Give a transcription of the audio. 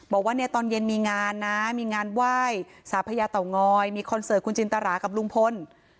บอกว่าเนี่ยตอนเย็นมีงานนะมีงานไหว้สาพญาเต่างอยมีคอนเสิร์ตคุณจินตรากับลุงพล